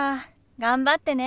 頑張ってね。